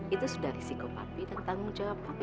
itu sudah risiko papi dan tanggung jawab kopi